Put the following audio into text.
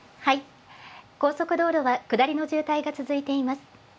高速道路は下りの渋滞が続いています。